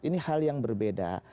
ini hal yang berbeda